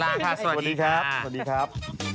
ลาค่ะสวัสดีครับ